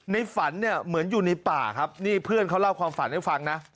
ฝันเนี่ยเหมือนอยู่ในป่าครับนี่เพื่อนเขาเล่าความฝันให้ฟังนะ